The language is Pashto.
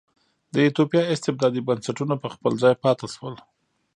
د ایتوپیا استبدادي بنسټونه په خپل ځای پاتې شول.